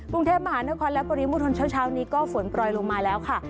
กรุงเทพมหานครและปริมณฑลเช้านี้ก็ฝนปล่อยลงมาแล้วค่ะ